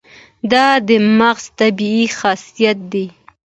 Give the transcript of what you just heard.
دا د مغز طبیعي خاصیت دی.